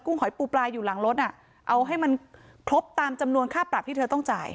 หอยปูปลาอยู่หลังรถอ่ะเอาให้มันครบตามจำนวนค่าปรับที่เธอต้องจ่าย